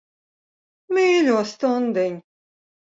Mīļo stundiņ.